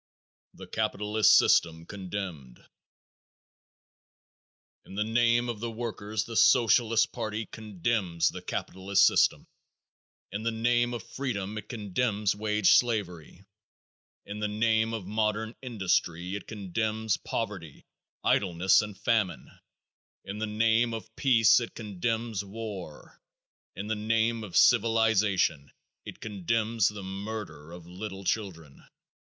The Capitalist System Condemned. In the name of the workers the Socialist party condemns the capitalist system. In the name of freedom it condemns wage slavery. In the name of modern industry it condemns poverty, idleness and famine. In the name of peace it condemns war. In the name of civilization it condemns the murder of little children.